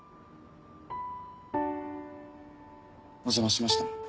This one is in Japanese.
お邪魔しました。